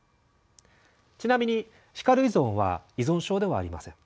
ちなみに「叱る依存」は依存症ではありません。